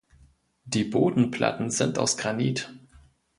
Die Bodenplatten sind aus Granit.